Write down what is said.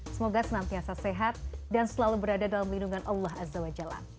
semoga senantiasa sehat dan selalu berada dalam lindungan allah azza wa jalla